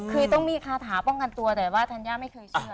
คือต้องมีคาถาป้องกันตัวแต่ว่าธัญญาไม่เคยเชื่อ